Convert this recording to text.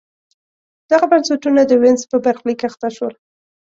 دغه بنسټونه د وینز په برخلیک اخته شول.